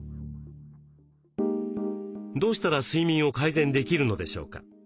どうしたら睡眠を改善できるのでしょうか？